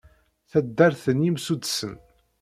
Taddart n yimsuddsen.